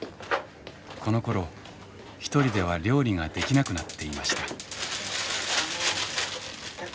このころ一人では料理ができなくなっていました。